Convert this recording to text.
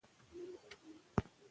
دوی د دښمن غرور په خاوره کې ورګډ کړ.